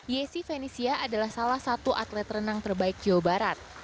yesi venisia adalah salah satu atlet renang terbaik jawa barat